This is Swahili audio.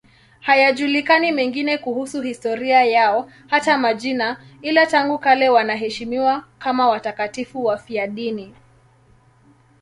Hayajulikani mengine kuhusu historia yao, hata majina, ila tangu kale wanaheshimiwa kama watakatifu wafiadini.